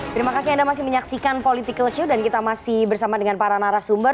terima kasih anda masih menyaksikan political show dan kita masih bersama dengan para narasumber